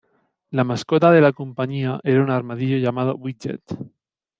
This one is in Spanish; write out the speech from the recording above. La mascota de la compañía era un armadillo llamado Widget.